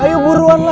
ayo buruan lah